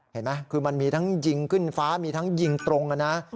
เห็นไหมคือมันมีทั้งยิงขึ้นฟ้ามีทั้งยิงตรงนะ